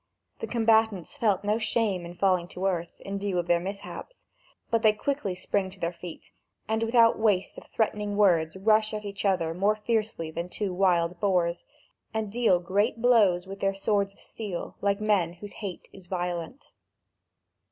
The combatants felt no shame in falling to earth, in view of their mishaps, but they quickly spring to their feet, and without waste of threatening words rush at each other more fiercely than two wild boars, and deal great blows with their swords of steel like men whose hate is violent.